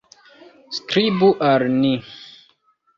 Skribu al ni.